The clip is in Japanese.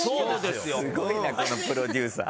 すごいなこのプロデューサー。